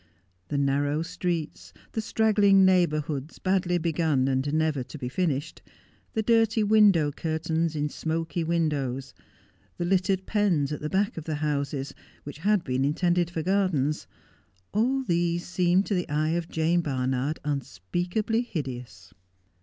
The narrow streets ; the straggling neighbourhoods badly begun, and never to be finished ; the dirty window curtains in smoky windows ; the littered pens at the back of the houses, which had been intended for gardens ; all these seemed to the eye of Jane Barnard unspeakably hideous.